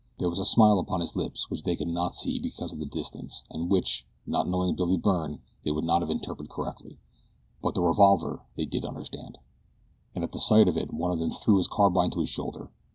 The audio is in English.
There was a smile upon his lips which they could not see because of the distance, and which, not knowing Billy Byrne, they would not have interpreted correctly; but the revolver they did understand, and at sight of it one of them threw his carbine to his shoulder.